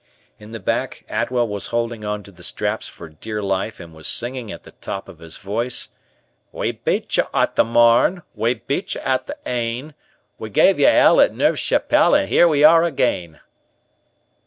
In the back, Atwell was holding onto the straps for dear life and was singing at the top of his voice, We beat you at the Marne, We beat you at the Aisne, We gave you hell at Neuve Chapelle, And here we are again.